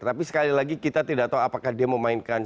tapi sekali lagi kita tidak tahu apakah dia memainkan